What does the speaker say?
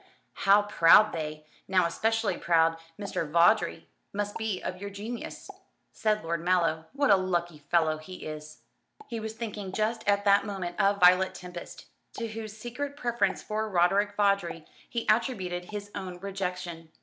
"How proud they how especially proud Mr. Vawdrey must be of your genius," said Lord Mallow. "What a lucky fellow he is." He was thinking just at that moment of Violet Tempest, to whose secret preference for Roderick Vawdrey he attributed his own rejection.